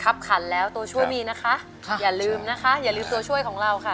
ขันแล้วตัวช่วยมีนะคะอย่าลืมนะคะอย่าลืมตัวช่วยของเราค่ะ